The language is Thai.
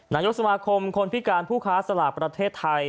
นายกสมาคมคนพิการผู้ค้าสลากประเทศไทย